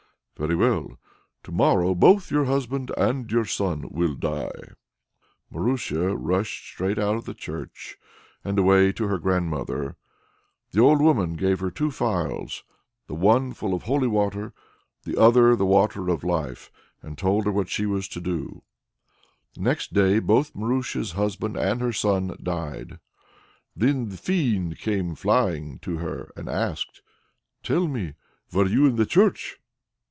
"Very well! To morrow both your husband and your son will die." Marusia rushed straight out of the church and away to her grandmother. The old woman gave her two phials, the one full of holy water, the other of the water of life, and told her what she was to do. Next day both Marusia's husband and her son died. Then the Fiend came flying to her and asked: "Tell me; were you in the church?"